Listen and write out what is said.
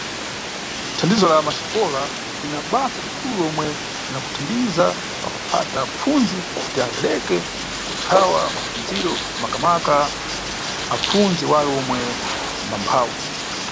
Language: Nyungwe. Thandizo la Maxikola lina basa likulu pomwe la kuthandiza pa kuphata apfundzi kuti aleke kuthaya mapfundziro, makamaka apfundzi wale omwe mbamphawi.